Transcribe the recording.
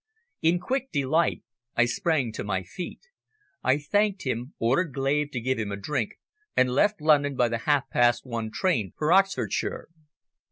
In quick delight I sprang to my feet. I thanked him, ordered Glave to give him a drink and left London by the half past one train for Oxfordshire.